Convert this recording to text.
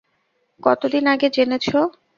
কতদিন আগে জেনেছ?